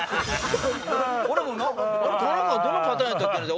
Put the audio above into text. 俺も田中どのパターンやったっけな？って。